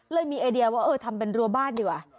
มีไอเดียว่าเออทำเป็นรัวบ้านดีกว่า